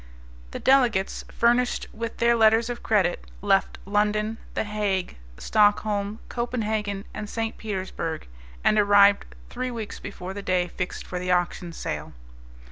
The delegates, furnished with their letters of credit, left London. The Hague, Stockholm, Copenhagen, and St. Petersburg, and arrived three weeks before the day fixed for the auction sale.